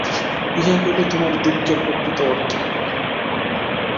ইহাই হইল তোমার দুঃখের প্রকৃত অর্থ।